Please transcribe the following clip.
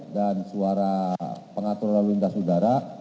dan suara pengaturan lalu lintas udara